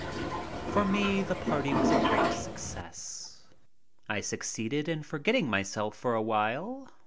For me the party was a great success. I succeeded in forgetting myself for a while.